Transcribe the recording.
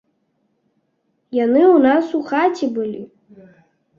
Яны ў нас у хаце былі.